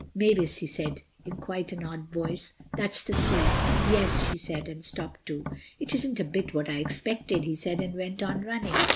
"Mavis," he said, in quite an odd voice, "that's the sea." "Yes," she said and stopped too. "It isn't a bit what I expected," he said, and went on running.